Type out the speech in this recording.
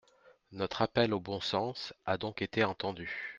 Notre appel au bon sens a donc été entendu.